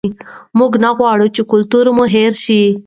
موږ نه غواړو چې کلتور مو هېر شي.